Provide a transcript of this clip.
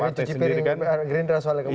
ini bagi cuci piring gurindra soalnya kemarin